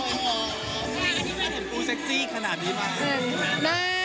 อ๋อในภาคที่บ้ากิน